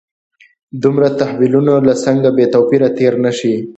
دومره تحولونو له څنګه بې توپیره تېر نه شي.